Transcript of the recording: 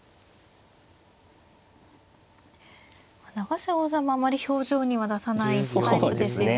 永瀬王座もあまり表情には出さないタイプですよね。